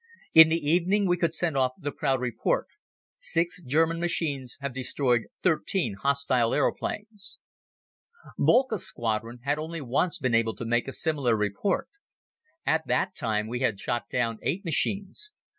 In the evening we could send off the proud report: "Six German machines have destroyed thirteen hostile aeroplanes." Boelcke's Squadron had only once been able to make a similar report. At that time we had shot down eight machines.